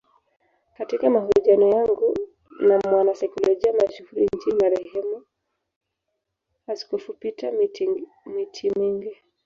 Katika mahojiano yangu na mwanasaikolojia mashuhuri nchini marehemu askofu Peter Mitimingi